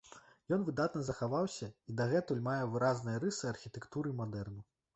Ён выдатна захаваўся і дагэтуль мае выразныя рысы архітэктуры мадэрну.